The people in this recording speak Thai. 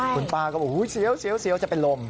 คุณป้าก็บอกเสียวจะเป็นลม